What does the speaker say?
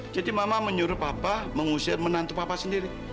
jadi mama menyuruh papa mengusir menantu papa sendiri